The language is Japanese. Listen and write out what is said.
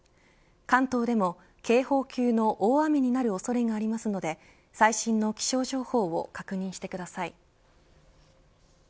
関東でも警報級の大雨になる恐れがありますので最新の気象情報を確認してください。